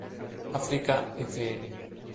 Africa; Fl.